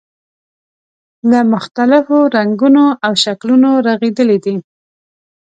له مختلفو رنګونو او شکلونو رغېدلی دی.